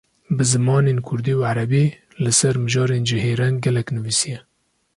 Bi zimanên Kurdî û Erebî, li ser mijarên cihêreng gelek nivîsiye